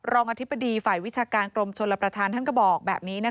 อธิบดีฝ่ายวิชาการกรมชลประธานท่านก็บอกแบบนี้